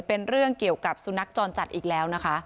เป็นเรื่องเกี่ยวกับสุนัขจรจัดอีกแล้วนะคะ